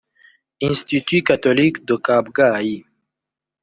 Institut Catholique de Kabgayi